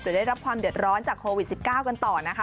ได้รับความเดือดร้อนจากโควิด๑๙กันต่อนะคะ